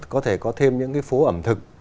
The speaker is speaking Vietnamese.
có thể có thêm những phố ẩm thực